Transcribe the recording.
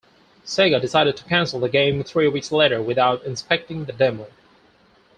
Sega decided to cancel the game three weeks later without inspecting the demo.